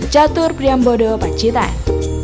jatuh priyambodo pak citan